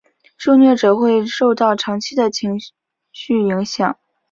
受虐者会受到长期的情绪影响。